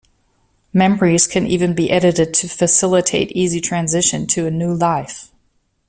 Memories can even be edited to facilitate easy transition to a new life.